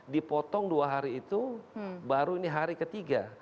dipotong dua hari itu baru ini hari ketiga